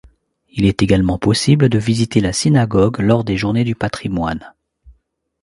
Il est également possible de visiter la synagogue lors des journées du patrimoine.